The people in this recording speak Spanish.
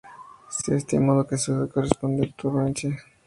Se ha estimado que su edad corresponde al Turoniense.